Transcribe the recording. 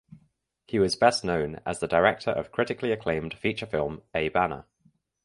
He was best known as the director of critically acclaimed feature film "A Banna".